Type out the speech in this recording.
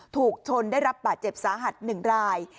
ถูกชนได้รับบาดเจ็บสาหัส๑ราย